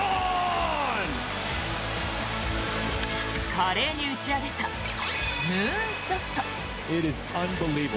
華麗に打ち上げたムーンショット。